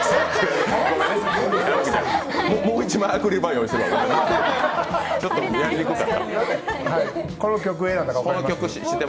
もう一枚アクリル板を用意してください。